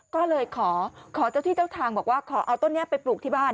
ก็เลยขอขอเจ้าที่เจ้าทางบอกว่าขอเอาต้นนี้ไปปลูกที่บ้าน